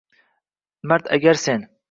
Mard agar sen